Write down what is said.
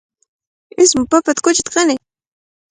Ismu papata kuchita qaray.